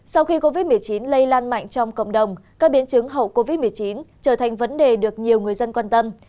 sau khi covid một mươi chín lây lan mạnh trong cộng đồng các biến chứng hậu covid một mươi chín trở thành vấn đề được nhiều người dân quan tâm